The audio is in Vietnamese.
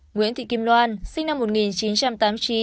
nguyễn thị kim loan sinh năm một nghìn chín trăm tám mươi chín